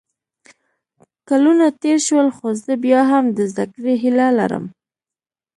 کلونه تېر شول خو زه بیا هم د زده کړې هیله لرم